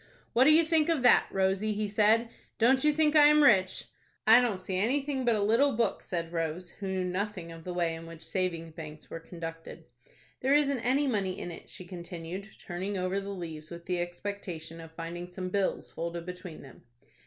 "What do you think of that, Rosie?" he said. "Don't you think I am rich?" "I don't see anything but a little book," said Rose, who knew nothing of the way in which savings banks were conducted. "There isn't any money in it," she continued, turning over the leaves with the expectation of finding some bills folded between them.